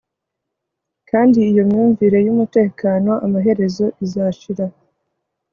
kandi iyo myumvire yumutekano amaherezo izashira